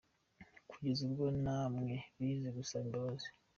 kugeza ubwo namwe bize gusaba imbabazi.